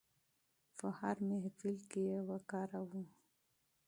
په هر محفل کې یې وکاروو.